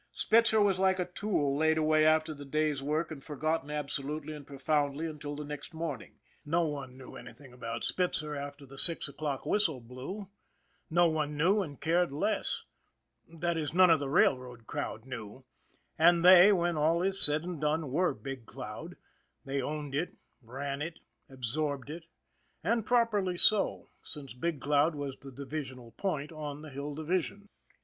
Spitzer was like a tool laid away after the day's work and forgotten absolutely and profoundly until the following morning. No one knew anything about Spitzer after the six o'clock whistle blew, no one knew and cared less that is, none of the railroad crowd knew, and they, when all is said and done, were Big Cloud, they owned it, ran it, absorbed it, and properly so, since Big Cloud was the divisional point on the Hill Division.